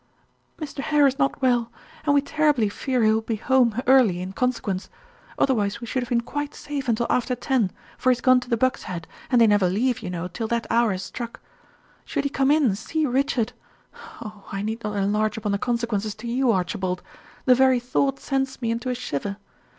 "Mr. Hare is not well, and we terribly fear he will be home early, in consequence; otherwise we should have been quite safe until after ten, for he is gone to the Buck's Head, and they never leave, you know, till that hour has struck. Should he come in and see Richard oh, I need not enlarge upon the consequences to you, Archibald; the very thought sends me into a shiver.